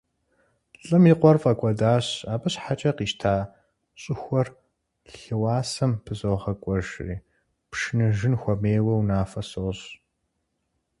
Лӏым и къуэр фӀэкӀуэдащ, абы щхьэкӀэ къищта щӀыхуэр лъыуасэм пызогъакӀуэжри, пшыныжын хуемейуэ унафэ сощӏ!